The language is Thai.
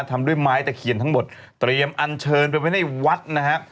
ทำด้วยไม้ตะเคียนทั้งหมดเตรียมอันเชิญไปไว้ในวัดนะฮะ